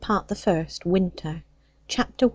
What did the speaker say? PART THE FIRST WINTER CHAPTER I.